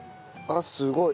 ああすごい。